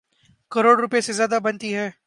کروڑ روپے سے زیادہ بنتی ہے۔